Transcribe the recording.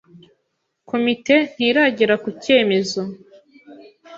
Komite ntiragera ku cyemezo.